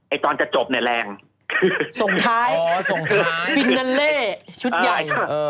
ไอตอนจะจบเนี่ยแรงส่วนท้ายอ๋อส่วนท้ายชุดใหญ่เออ